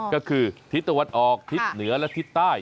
ก็คือทิศตะวันออกทิศเหนือและทิศใต้